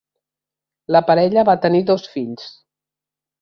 La parella va tenir dos fills.